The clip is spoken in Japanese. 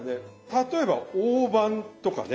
例えば大判とかね。